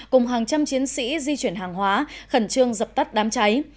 cùng hàng trăm chiến sĩ di chuyển hàng hóa khẩn trương dập tắt đám cháy